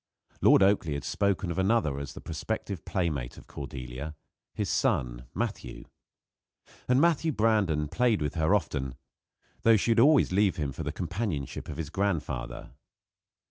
Lord Oakleigh had spoken of another as the prospective playmate of Cordelia his son, Matthew. And Matthew Brandon played with her often, though she would always leave him for the companionship of his grandfather.